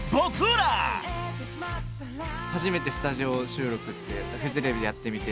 初めてスタジオ収録フジテレビでやってみてすごい。